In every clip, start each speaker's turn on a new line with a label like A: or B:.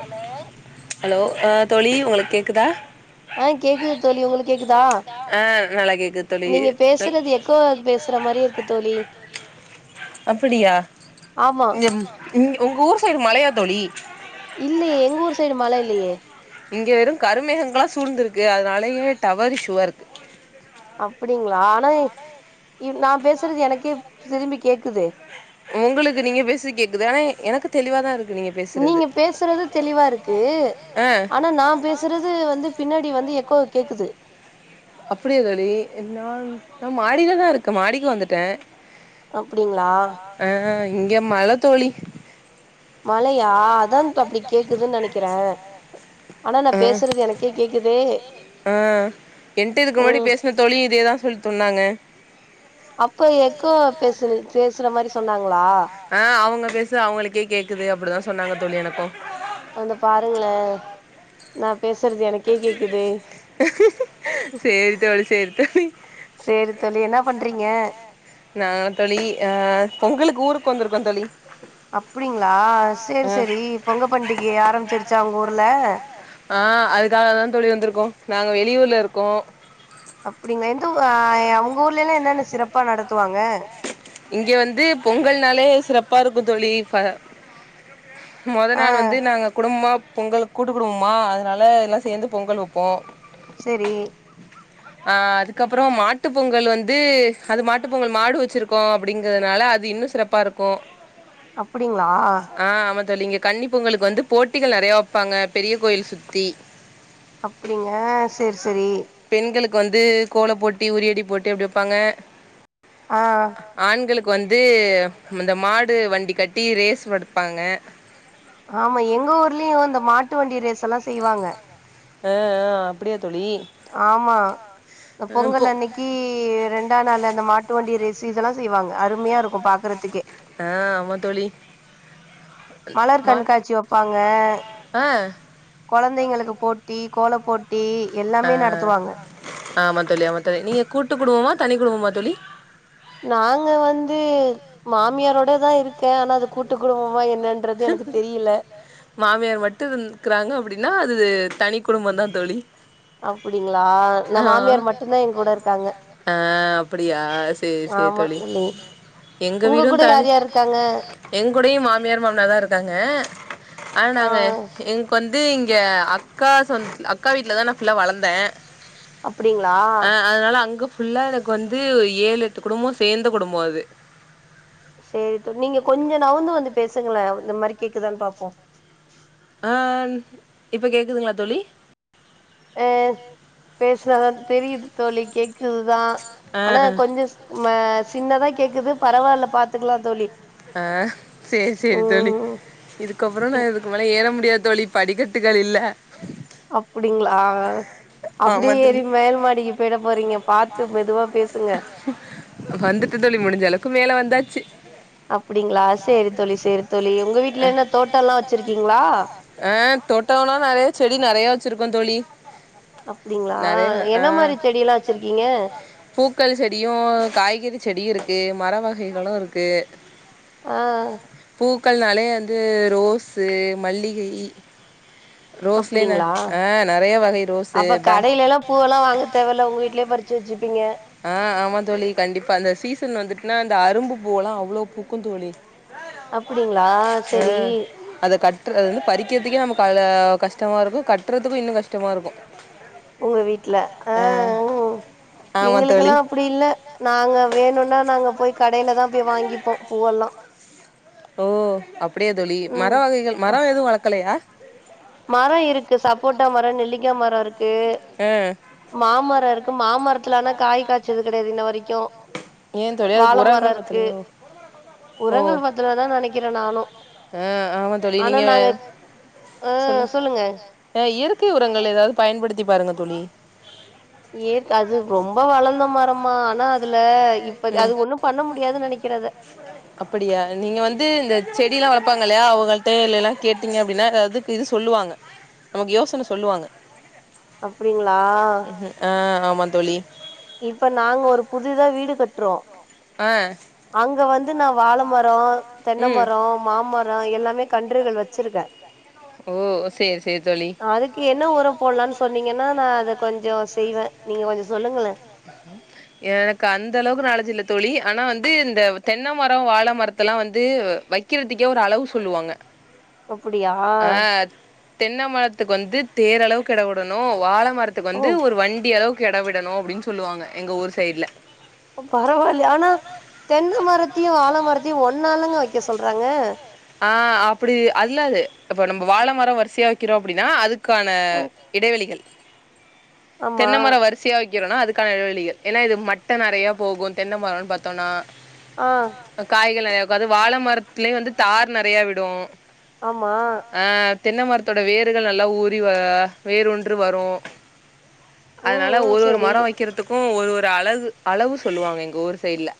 A: Hello hello ஆ தோழி உங்களுக்கு கேக்குதா?
B: ஆ கேக்குது தோழி உங்களுக்கு கேக்குதா நீங்க பேசுறது எக்கோ ஆகி பேசுற மாரியே இருக்கு தோழி ஆமா
A: ம் உங்க ஊர் சைடு மழயா தோழி?
B: இல்லையே எங்க ஊர் சைடு மழ இல்லையே.
A: இங்க வெறு கருமேகங்களா சூழ்ந்திருக் கு அதனாலயே டவர் இஸ்யூவா இரு
B: அப்பிடிங்களா ஆனா இது நா பேசுறது எனக்கே திரும்பி கேக் இக்குதே
A: உங்களுக்கு நீங்க பேசி கேக்குது ஆனா எனக்கு தெளிவாதா இருக்
B: நீங்க பேசுறது தெளிவா இருக்கு ஆனா நா பேசுறது வந்து பின்னாடி வந்து எக் கோ கேக்குது
A: அப்டியா தோழி நா நா மாடிலதா இருக்க மாடிக்கு வந்துட்ட ஆ இங்க மழ தோழி
B: மழையா அதான் அப்டி கேக்குதுன் நெனைக்கிற
A: அ ஆ என்ட இதுக்கு முன்னாடி பேசுன தோழி இதேதா சொல் சொன்னாங்க ஆ அவங்க பேச்சு அவங்களுக்கே கேக்குது அப்டிதா சொன்னாங்க தோழி எனக் டோ
B: வந்து பாருங்களே நா பேஸ் நீ பேசுறது எனக்கே கேக்குதே சேரித் தோழி என்ன பண்றீங்க
A: நா தோழி அ பொங்கலுக்கு ஊருக்கு வந்துருக்கோந் தோழி
B: அப்டிங்களா சேரி சேரி பொங்க பண்டிகை ஆரம்பிச்சுருச்சா உங்க ஊருல
A: உள்ள இருக்கு
B: உள்ளேளே என்னென்ன சிறப்பா நடத்துவாங்க
A: இங்க வந்து பொங்கல்னாலே சிறப்பா இருக்கு தோழி ப மொத நாள் வந்து நாங்க குடும்மா பொங்கல் கூட்டுக்குடும்மா அதனால எல்லா சேந்து பொங்கல் வெப்போ ஆ அதுக்கப்புறோ மாட்டு பொங்கல் வந்து அது மாட்டுப் பொங்கல் மாடு வெச்சுருக் கோ அப்டிங்கிறதுனால அது இன்னு சிறப்பா இருக்கு
B: அப்டிங்களா
A: தோழி கன்னி பொங்குளுக்கு வந்து போட்டிகள் நறையா வெப்பாங்க பெரிய கோயில் சுத்தி
B: அப்டிங்க சேரி சேரி
A: கு வந்து கோல போட்டி உரியடி போட்டு அப்டி வெப்பாங்க
B: ஆ
A: க்கு வந்து இந்த மாடு வண்டி கட்டி ரேஸ் குடுப்பாங்க
B: மாட்டு வண்டி ரேஸ் எல்லா செய்வாங்க
A: அ ஆ அப்டியாத்
B: ஆமா பொங்கல் அன்னைக்கு ரெண்டு அந்த மாட்டு மாட்டு வண்டி ரேஸ் இதலாம் செய்வாங்க அருமையாருக்கும்
A: ஆஹ் ஆமா தோழி
B: மலர் கண்காட்சி வப்பாங்க கொழந்தைங்களுக்கு போட்டி கோல போட்டி எல்லாமே நடத்துவாங்க
A: ஆமா தோழி
B: நாங்க வந்து மாமியாரோட தான் இருக்கேன் ஆனா அது கூட்டு குடும்பமா என்ன
A: மாமியார் மட்டும் இருக்கிறாங்க அப்டின்னா அது தனி குடும்பந்தான் தோழி
B: அப்டிங்களா நம் மாமியார் மட்டும்தான் எங்க கூடருக்காங்க ஆமா தோழி உங்க கூட யார் யார் இருக்காங்க
A: மாமியார் ஒன்னாதான் இருக்காங்க ஆனா நாங்க இங்க வந்து இது இங்க அக்கா சொந் அக்கா வீட்லதான் நான் புல்லா வளந்தேன்
B: அப்டிங்களா
A: புல்லா எனக்கு வந்து ஏழு எட்டு குடும்பம் சேர்ந்த குடும்பம் அது
B: சேரி தோழி நீங்க கொஞ்ச நவுந்து வந்து பேசுங்களேன் இந்த மாரி கேக்குதானு பாப்போம்
A: அஹ் இப்ப கேக்குதுங்களா தோழி
B: அஹ் பேசுனாதான் தெரியுது தோழி கேக்குதுதான் ஆனா கொஞ்ச அ சின்னதா கேக்குது பரவால்ல பாத்துக்கலாம் தோழி
A: அஹ் சேரி சேரி தோழி இதுக்கப்புறம் நான் இதுக்கு மேல ஏற முடியாது தோழி படிக்கட்டுகள் இல்ல
B: அப்டிங்களா அப்டியே ஏறி மேல் மாடிக்கு போயிட போறீங்க பாத்து மெதுவா பேசுங்க
A: சி [unintelligible] ஆ தோட்டலாம் நெறய செடி நெறய வச்சுருக்கோம் தோழி நெறைய ஆஹ் பூக்கள் செடியும் காய்கறி செடியும் இருக்கு மர வகைகளும் இருக்கு
B: ஆஹ
A: பூக்களனாலே வந்து ரோஸ்சு மல்லிகை ரோஸ்லே ஆஹ நிறைய வகை ரோஸ்
B: அப்ப கடையில எல்லாம் பூவெல்லாம் வாங்க தேவைல உங்க வீட்லயே பறிச்சி வச்சுப்பீங்க
A: ஆஹ் ஆமா தோழி கண்டிப்பா அந்த சீசன் வந்துட்டுனா இந்த அரும்பு பூவல்லாம் அவ்வளவு பூக்கும் தோழி
B: அப்படிங்களா செரி
A: கட்டுறது வந்து பறிக்கிறதுக்கே நமக்கு கஷ்டமா இருக்கும் கட்டுறதுக்கும் இன்னும் கஷ்டமா இருக்கும்
B: உங்க வீட்டு்ல ஆஹ உஹ எங்களுக்குெல்லாம் அப்படி இல்ல நாங்க வேணும்னா நாங்க போய் கடல தான் போய் வாங்கிப்போம் பூவெல்லாம்
A: ஓ அப்படியே தோழி மரம் வகைகள் மரம் எதுவும் வளர்க்கலையா
B: மரம் இருக்கு சப்போட்டா மரம் நெல்லிக்காய் மரம் இருக்கு இருக்கு மாமரம் இருக்கு மாமரத்துல ஆனா காய் காய்ச்சது கிடையாது இன்ன வரைக்கும் வாழை மரம் இருக்கு உரங்கள் பத்தாலனு நினைக்கிறேன் நானும் ஆனா நாங்க ஆஹ சொல்லுங்க
A: இயற்கை உரங்கள் ஏதாவது பயன்படுத்தி பயன்படுத்திபாருங்க தோழி
B: ஏற்க அது ரொம்ப வளர்ந்த மரமா ஆனா அதுல இப்ப அது ஒண்ணும் பண்ண முடியாது நினைக்க இருக்கிறது
A: அப்படியா நீங்க வந்து இந்த செடிய எல்லாம் வளர்ப்பாங்க இல்லையா அவங்கள்ட்ட இல்ல எல்லாம் கேட்டீங்க அப்படின்னா அதுக்கு இது சொல்லுவாங்க நமக்கு யோசனை சொல்லுவாங்க ஆஹ ஆமா தோழி
B: இப்ப நாங்க ஒரு புதிதா வீடு கட்டுறோம் அங்க வந்து இது நான் வாழை மரம் தென்னைமரம் மாமரம் எல்லாமே கண்டு வச்சிருக்க அதுக்கு என்ன உரம் போடலனும் சொன்னீங்கன்னா நான் அதை கொஞ்சம் செய்வேன் நீங்க கொஞ்சம் சொல்லுங்களேன்
A: எனக்கு அந்த அளவுக்கு நாலேஜி இல்ல தோழி ஆனா வந்து இந்த தென்ன மரம் வாழ மரத்தலாம் வந்து வைக்கிறதுக்கே ஒரு அளவு சொல்லுவாங்க
B: அப்டியா
A: தென்னமரத்துக்கு வந்து தேரளவுக்கு எடம் விடணும் வாழ மரத்துக்கு வந்து ஒரு வண்டி அளவுக் கு எட விடணும் அப்டின் சொல்லுவாங்க எங்க ஊர் சைடுல
B: பரவாயில்லியே ஆனா தென்ன மரத்தையும் வாழ மரத்தையும் ஒன்னாளங்க வைக் க சொல்றாங்க
A: ஆ அப்டி அதுல்ல அது இப்போ நம்போ வாழ மரம் வரிசையா வைக்கிறோம் அப்டின்னா அதுக்கான இடைவெளிகள் தென்னமரம் வரிசையா வக் கிறனா அதுக்கான இடைவெளிகள் ஏன்னா இது மட்ட நறையா போகும் தென்ன மரம் பாத்தோன்னா ஆ காய் கீலயா இருக்கும் அது வாழ மரத்துலே வந்து தார் நறையா விடும்
B: ஆமா
A: தென்னமரத்தோட வேறுகள் நல்லா ஊறி வ வேருன்று வரும் அதனால ஒரு ஒரு மரம் வக்கிறதுக்கும் ஒரு ஒரு அளகு அளவு சொல்லுவாங்க எங்க ஊர் சைட்ல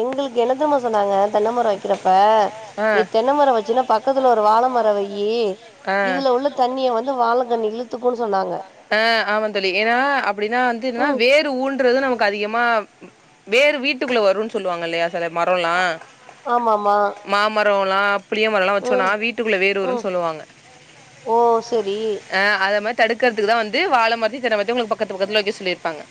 B: எங்களுக்கு என்ன தெர்ம சொன்னாங்க தென்னமரம் வக்கிறப்ப ஆ நீ தென்ன மரம் வச்சின்னா பக்கத்துல ஒரு வாழ மரம் வையி இதுல உள்ள தண்ணிய வந்து வாழ கண்ணு இழுத்துக்கும் சொன்னாங்க
A: ஆ ஆமாந்தோழி ஏன்னா அப்டின்னா வந்து இன்னா வேறு ஊ பன்றது நமக்கு அதிகமா வேறு வீட்டுக்குள்ள வருன் சொல்லுவாங்க இல்லையா சில மரலாம் ஆமா ஆமா மாமர த்தவங்களா புளியமரலாம் வச்சோனா வீட்டுக்குள்ள வேறு வரும் சொல்லுவாங்க ஆ அத மாரி கிறதுக்குதான் வந்து வாழமரத்தையு தென்ன மரத்தையு உங்களுக்கு பக்கத்து பக்கத்துல வக்க இருப்பாங்க சொல்லியிருப்பாங்க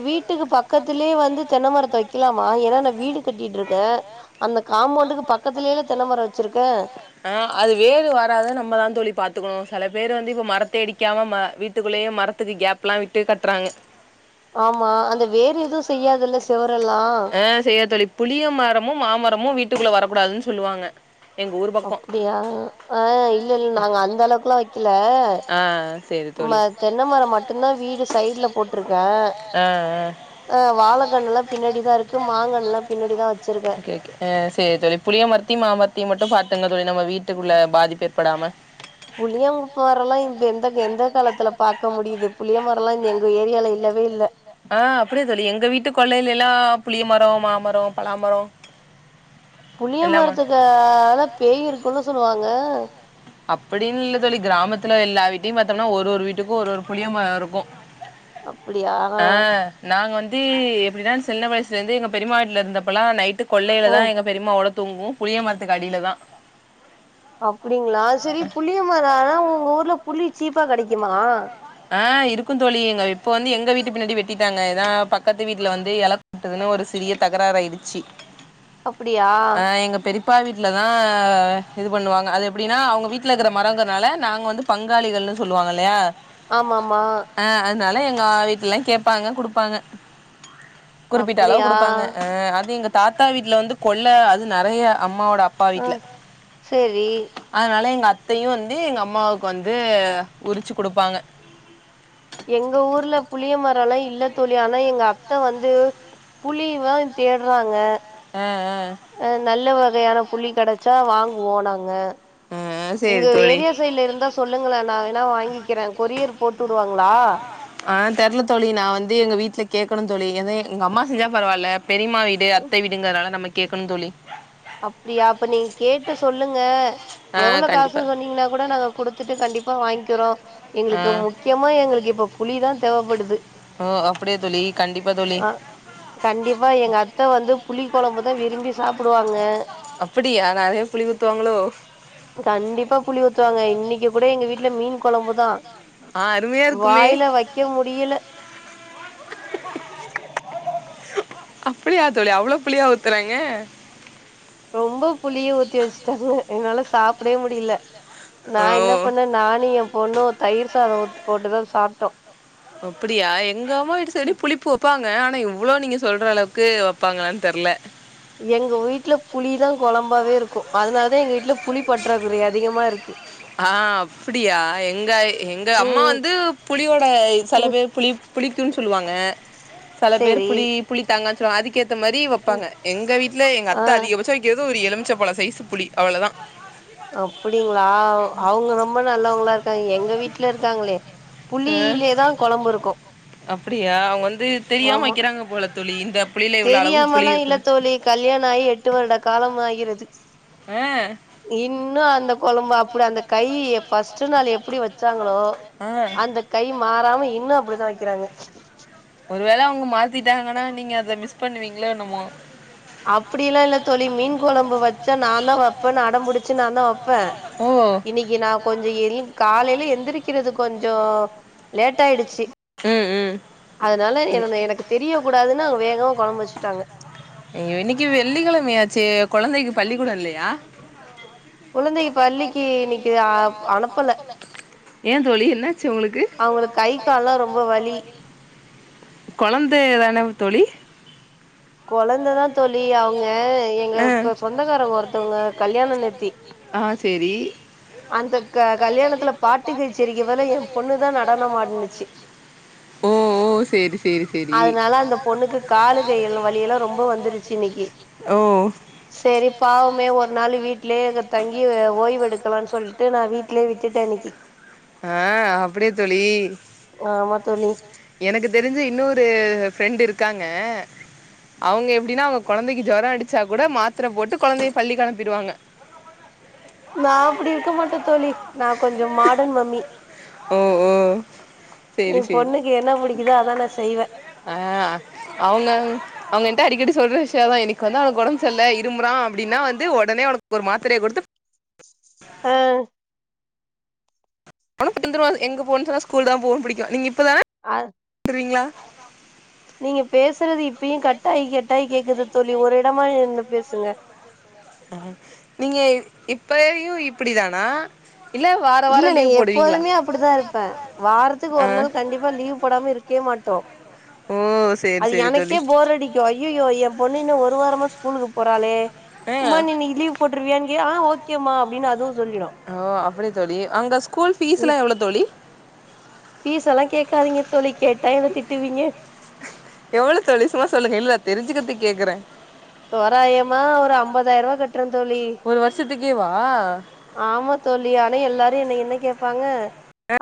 A: இப்ப வீட்டுக்கு பக்கத்திலே வந்து தென்னமரத்த வக்கலாமா ஏன்னா நான் வீடு கட்டிட்டு இருக்கேன் அந்த காம்பவுண்டுக்கு பக்கத்திலேல தென்னமரம் வச்சிருக்கே ஆ அது வேறு வராத நம்மதான் தோழி பாத்துக்கணும் செல பேரு வந்து இப்ப மரத் தேடிக்காம ம வீட்டுக்குள்ளே மரத்துக்கு கேப்லாம் விட்டு கட்டறாங்க
B: ஆமா அந்த வேறு எதுவும் செய்யாதுல்ல செவரெல்லாம்
A: டுக்குள்ள வரக்கூடாதுன்னு சொல்லுவாங்க
B: அப்படியா ஆஹ் இல்ல இல்ல நாங்க அந்த அளவுக்குல்லாம் வைக்கல
A: ஆஹ
B: ம தென்னைமரம் மட்டும்தான் வீடு சைடு்ல போட்டிருக்கேன் ஆஹ் வாழைகன்ன எல்லாம் பின்னாடிதான் இருக்கு மாங்கண்ண எல்லாம் பின்னாடிதான் வச்சிருக்கேன்
A: நம்ம வீட்டுக்குள்ள பாதிப்பு ஏற்படாம
B: புளியம் மரம் எல்லாம் இப்ப எந்த எந்த காலத்துல பார்கக்க முடியுது புளிய மரம் எல்லாம் இந்த எங்க ஏரியால இல்லவே இல்ல
A: மாமரம் பலாமரம்
B: புளிய மரத்துக்கால பேய் இருக்கும்னு சொல்லுவாங்க ங்க
A: அப்படின்னு இல்ல தோழி கிராமத்துல எல்லா வீட்டையும் பார்த்தோம்னா ஒரு ஒரு வீட்டுக்கும் ஒரு ஒரு புளிய மரம் இருக்கும் ஆஹ் நாங்க வந்து எப்படினா சின்ன வயசுல இருந்து எங்க பெரியம்மா வீட்டல இருந்தப்பல்லாம் நைட்டுக் கொள்ளையில தான் எங்க பெரியமா தொங்கும் புளிய மரத்துக்கு அடியில தான்
B: அப்படிங்களா சரி புளியம்மரம் ஆ உங்க ஊர்ல புளி சீப்பா கிடைக்குமா
A: ஆஹ் இருக்கும் தோழி எங்க இப்ப வந்து எங்க வீட்டு பின்னாடி வெட்டிட்டாங்க ஏன்னா பக்கத்து வீட்டுல வந்து இல கொட்டதுன்னு ஒரு சிறிய தகராறு ஆயிடுச்சு
B: அப்படியா
A: அப்பா வீட்டுலதான் இது பண்ணுவாங்க அது எப்படின்னா அவங்க வீட்டுல இருக்கிற மரங்ம்கிறதுனால நாங்க வந்து பங்காளிகள்னு சொல்லுவாங்க இல்லையா
B: ஆமா
A: அதனால எங்க வீட்டு எல்லாம் கேட்பாங்க குடுப்பாங்க குறிப்பிட்ட அளவுக்கு கொடுப்பாங்கஹ அது இங்க தாத்தா வீட்டு்ல வந்து கொல்ல அது நிறைய அ அம்மாவோட அப்பா வீட்டுல அதனால எங்க அத்தையும் வந்து எங்க அம்மாவுக்கு வந்து உரிச்சு கொடுப்பாங்க
B: எங்க ஊர்ல புளிய மரம் எல்லாம் இல்ல தோழி ஆனா எங்க அத்தை வந்து புளியே தான் தேடுறாங்க
A: ஆஹ ஆஹ
B: அஹ நல்லவ வகையான புளி கெடைச்சா வாங்குவோம் நாங்க உங்க ஏரியா சைட்ல இருந்தா சொல்லுங்களேன் நான் வேணா வாங்கிக்கிறேன் கொரியர் விடுவாங்களா
A: ஆ தெர்ல தோழி நான் வந்து எங்க வீட்ல கேக்கணும் தோழி எது எங்க அம்மா செஞ்சா பரவாயில்ல பெரிமா வீடு அத்த வீடுங்கறனால நம்ம கேக்கணும் தோழி
B: அப்டியா அப்ப நீங்க கேட்டு சொல்லுங்க எவ்ளோ காசுன்னு சொன்னீங்கன்னா கூட நாங்க குடுத் துட்டு கண்டிப்பா வாங்கிக்கிறோம் எங்களுக்கு முக்கியமா எங்களுக்கு இப்ப புளிதா தேவப்படுது ஆ கண்டிப்பா எங்க அத்த வந்து புளி கொழம்பு தான் விரும்பி சாப்புடுவா ங்க கண்டிப்பா புளி ஊத்துவாங்க இன்னைக்கு கூட எங்க வீட்ல மீன் கொழம்புதா வாயில வைக்க முடியல [inaudible]
A: அப்டியா தோழி அவ்ளோ புளியா ஊத்தறாங்க
B: ரொம்ப புளிய ஊத்தி வச்சிடாங்க என்னால சாப்டே முடியில நான் என்ன பண்ண நானும் என் பொண்ணும் தயிர் சாதம் உத் போட்டுதா சாப்டோம்
A: அப்டியா எங்கம்ம வீட்டு சைடு புளிப்பு வப்பாங் ங்க ஆனா இவ்ளோ நீங்க சொல்ற அளவுக்கு வப்பாங்களானு தெர்ல
B: எங்க வீட்ல புளிதான் கொழம்பாவே இருக்கும் அதனால தான் எங்க வீட்ல
A: ஆ அப்டியா எங்க எங்க அம்மா வந்து புளியோட செல பேர் புளிப் புளிக்குன் சொல்லுவாங்க செல பேர் புளி புளி தாங்க சோ அதுக்கேத் இந்த மாரி வப்பாங்க எங்க வீட்ல எங்க அத்த அதிகபட்சம் வக்கிறது ஒரு எழு எழுமிச்ச பழ சைசு புளி அவ்ளோதா
B: அப்டிங்களா அ அவுங்க ரொம்ப நல்லவங்களா இருக்காங்க எங்க வீட்ல இருக்காங்களே
A: ஆ புளில தான் கொழம்பு இருக்கும் அப்டியா அவுங்க வந்து தெரியாம வைக்கிறாங்க போல தோழி
B: தெரியாமல்லா இல்ல தோழி கல்யாணோ ஆயி எட்டு வருட காலம்மாகிறது இன்னு அந்த கொழம்பு அப்டி அந்த கை ஃபஸ்ட்டு நாள் எப்டி வெச்சாங்களோ அந்த கை மாறாம இன்னு அப்டித்தா வெக்கிறாங்க
A: அவங்க மாத்திட்டாங்கன்னா நீங்க அத மிஸ் பண்ணுவிங்ளோ என்னுமோ
B: அப்டில்லா இல்ல தோழி மீன் கொழம்பு வச்சா நான் நாந்தா வப்பன் அடம்புடுச்சு நாந்தா வப்ப இன்னைக்கு நா கொஞ்சோ எழுந் காலைல எந்திரிக்கிறது கொஞ்சோ லேட் ஆயிடுச்சு அதனால என எனக்கு தெரிய கூடாதுன்னு வேகமா கொழம்பு வெச்சுட்டாங்க
A: இன்னைக்கு வெள்ளிக்கெழமையாச்சே கொழந்தைக்கு பள்ளிக்கூடோ இல்லையா ஏந் தோழி என்னாச்சு அவங்களுக்கு கொழந்தைதான தோழி
B: கொழந்ததா தோழி அவங்க எங்க சொந்தகாரவங்க ஒருத்தவங்க கல்யாண நேத்தி
A: ஆ சேரி ஓ ஓ சேரி சேரி சேரி ஓ
B: சேரி பாவமே ஒரு நாளு வீட்லயே தங்கி ஓய்வெடுக்
A: ஆ அப்டியா தோழி எனக்கு தெருஞ்ச இன்னொரு ஃப்ரெண்டு இருக்காங்க அவங்க எப்டின்னா அவங்க கொழந்தைக்கு ஜொரோ அடுச்சா கூட மாத் த்ர போட்டு கொழந்தைய பள்ளிக்கு அனுப்பிடுவாங்க
B: நா அப்டி இருக்க மாட்ட தோழி நா கொஞ்சம் மாடன் மம்மி எ பொண்ணுக்கு என்ன புடிக்குதோ அதா நா செய்வ
A: அடிக்கடி சொல்ற விஷ்யந்தா இன்னைக்கு வந்து அவனுக்கு ஒடம்பு செர்ல்ல இ இருமுறா அப்டின்னா வந்து ஒடனே அவனுக்கு ஒரு மாத்துரய குடுத்து
B: ஆ
A: ஆனா [inaudible] எங்க போனு சொன்னா ஸ்கூல் தா போக புடிக்கு நீங்க இப்பதா
B: ஆது
A: ப்பீங்களா
B: நீங்க பேசுறது இப்பயு கட்டாயி கட்டாயி கேக்குது தோழி ஒரு எடமா நின்னு பேசுங்க
A: அ நீங்க இப்பயு இப்புடி தானா
B: இல்ல நா எப்போதுமே அப்புடித்தா இருப்ப வாரத்துக்கு ஒரு நாள் கண்டிப்பா லீவ் போடாம இருக்கே மாட்டோ அது எனக்கே போர் அடிக்கு ஐயையோ எம் பொண்ணு இன்னு ஒரு வாரமாஸ் ஸ்கூலுக்கு போறாளே உமா நீ இன்னைக்கு லீவ் போட்ருவியா இங்கே ஆ ஓக் ஓக்கேமா அப்டின் அது
A: ஓ அப்டியா தோழி அங்க ஸ்கூல் ஃபீஸ்லா எவ்ளோ தோழி
B: ஃபீஸ் எல்லா கேக்காதீங்க தோழி
A: எவ்வள தோழி சும்மா சொல்லுங்க இல்ல தெரிஞ்சுக்குறது கேக்குறே
B: தோராயமா ஒரு அம்பதாயிர ரூபா கட்ட கட்ரே தோழி ஆமா தோழி ஆனா எல்லாரு என்ன என்ன கே பாங்க